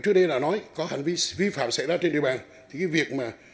trước đây đã nói có hành vi vi phạm xảy ra trên địa bàn thì cái việc mà